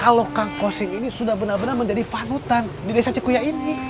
kalau kang kostim ini sudah benar benar menjadi vanutan di desa cekuya ini